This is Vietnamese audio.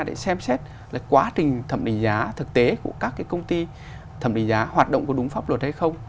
để xem xét là quá trình thẩm định giá thực tế của các cái công ty thẩm định giá hoạt động có đúng pháp luật hay không